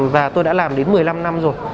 và tôi đã làm đến một mươi năm năm rồi